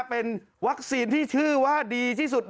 เป็นวัคซีนที่ชื่อว่าดีที่สุด